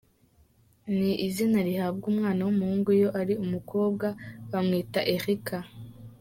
Ni izina rihabwa umwana w’umuhungu iyo ari umukobwa bamwita Erica.